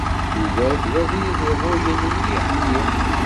Tudert d abrid iḍulen mliḥ mliḥ.